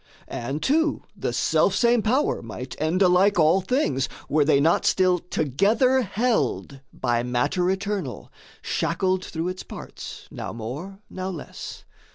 And, too, the selfsame power might end alike All things, were they not still together held By matter eternal, shackled through its parts, Now more, now less.